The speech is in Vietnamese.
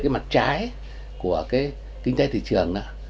về cái mặt trái của cái kinh doanh thị trường